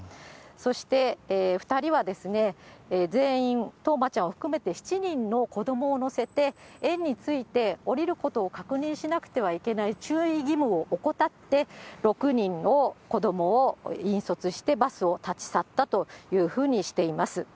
そして２人は、全員、冬生ちゃんを含めて７人の子どもを乗せて園に着いて降りることを確認しなくてはいけない注意義務を怠って、６人の子どもを引率してバスを立ち去ったというふうにしています。